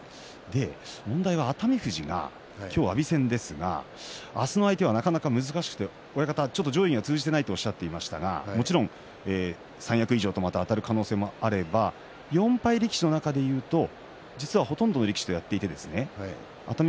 問題は熱海富士が今日は阿炎戦ですが明日の相手はなかなか難しくて親方はちょっと上位には通じていないとおっしゃってましたがもちろん三役以上とまたあたる可能性もあれば４敗力士の中でいうと実はほとんどの力士とやっていて熱海